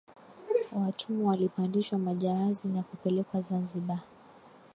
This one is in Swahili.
Watummwa walipandishwa majahazi na kupelekwa Zanzibar